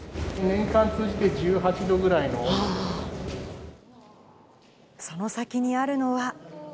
年間通じて１８度ぐらいの温その先にあるのは。